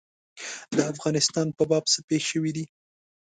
د افغانستان په باب څه پېښ شوي دي.